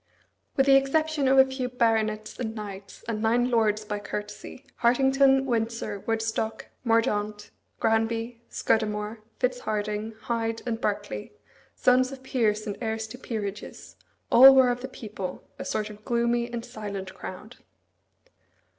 With the exception of a few baronets and knights, and nine lords by courtesy Hartington, Windsor, Woodstock, Mordaunt, Granby, Scudamore, Fitzharding, Hyde, and Berkeley sons of peers and heirs to peerages all were of the people, a sort of gloomy and silent crowd.